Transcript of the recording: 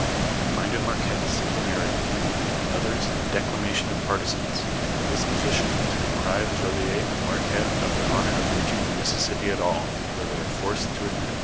"We find in Marquette simple narrative, in the others, the declamation of partisans, and the disposition to deprive Jolliet and Marquette of the honor of reaching the Mississippi at all, though they are forced to admit it.